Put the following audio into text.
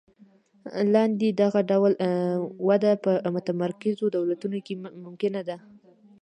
لاندې دغه ډول وده په متمرکزو دولتونو کې ممکنه ده.